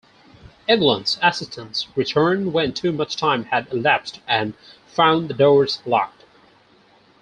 Eglon's assistants returned when too much time had elapsed and found the doors locked.